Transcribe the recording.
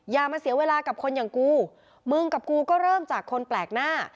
อย่ามาเสียเวลากับคนอย่างกูมึงกับกูก็เริ่มจากคนแปลกหน้า